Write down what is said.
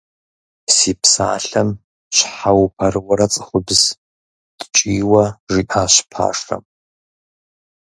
Си псалъэм щхьэ упэрыуэрэ, цӀыхубз? – ткӀийуэ жиӀащ пашэм.